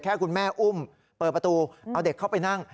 คุณแม่อุ้มเปิดประตูเอาเด็กเข้าไปนั่ง